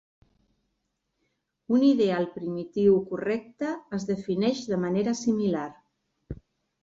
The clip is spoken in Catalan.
Un ideal primitiu correcte es defineix de manera similar.